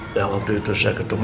yang waktu itu saya ketemu